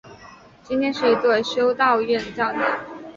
今天是一座修道院教堂。